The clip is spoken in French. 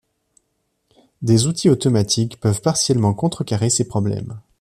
Des outils automatiques peuvent partiellement contrecarrer ces problèmes.